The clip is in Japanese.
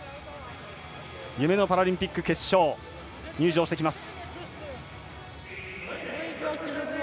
夢のパラリンピック決勝入場してきます。